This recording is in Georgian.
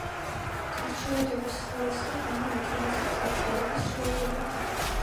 გარჩევადობის ხარისხი ანუ ეკრანზე წერტილების რაოდენობა.